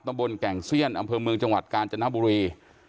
ตำบลแก่งเซี่ยนอำเภอเมืองจกาลจนบุรี